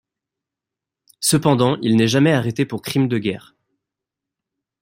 Cependant, il n'est jamais arrêté pour crimes de guerre.